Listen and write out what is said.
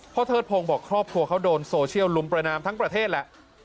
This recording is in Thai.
เทิดพงศ์บอกครอบครัวเขาโดนโซเชียลลุมประนามทั้งประเทศแหละ